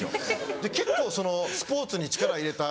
で結構そのスポーツに力を入れた。